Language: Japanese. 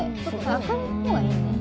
明るい方がいいね。